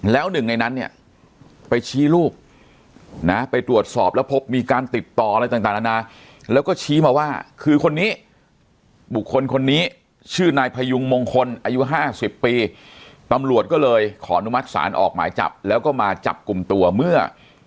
แล้วหนึ่งในนั้นเนี่ยไปชี้รูปนะไปตรวจสอบแล้วพบมีการติดต่ออะไรต่างนานาแล้วก็ชี้มาว่าคือคนนี้บุคคลคนนี้ชื่อนายพยุงมงคลอายุ๕๐ปีตำรวจก็เลยขออนุมัติศาลออกหมายจับแล้วก็มาจับกลุ่มตัวเมื่อ